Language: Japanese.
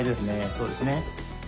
そうですね。